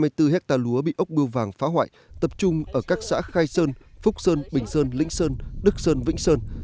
các tà lúa bị ốc bưu vàng phá hoại tập trung ở các xã khai sơn phúc sơn bình sơn lĩnh sơn đức sơn vĩnh sơn